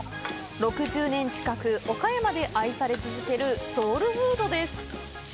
６０年近く岡山で愛され続けるソウルフードです